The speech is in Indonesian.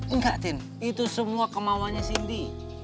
enggak tin itu semua kemauannya cindy